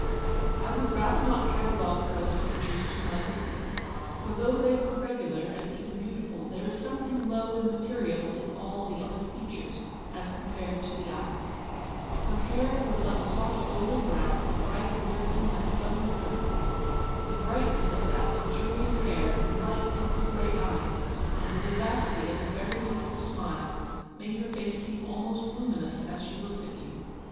I would rather not catalogue her other features too minutely; for though they were regular, and even beautiful, there is some thing low and material in all the other features as compared to the eyes. Her hair was of a soft B 2 4 ELEANORS VICTOIIY. golden brown, bright and rippling like a sunlit river. The brightness of that luxuriant hair, the light in her grey eyes, and the vivacity of a very beautiful smile, made her face seem almost lumi nous as she looked at you.